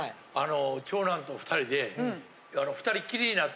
長男と２人で。